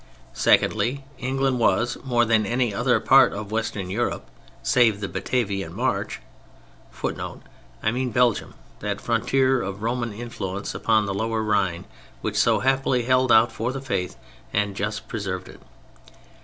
Secondly, England was, more than any other part of Western Europe (save the Batavian March), [Footnote: I mean Belgium: that frontier of Roman Influence upon the lower Rhine which so happily held out for the Faith and just preserved it.